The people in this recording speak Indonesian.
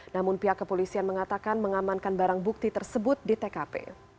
namun pihak kepolisian mengatakan mengamankan barang bukti tersebut di tkp